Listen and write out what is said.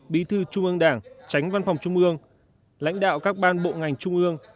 bí thư trung ương đảng tránh văn phòng trung ương lãnh đạo các ban bộ ngành trung ương